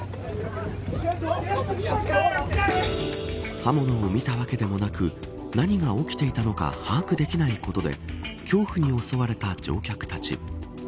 刃物を見たわけでもなく何が起きていたのか把握できないことで恐怖に襲われた乗客たち。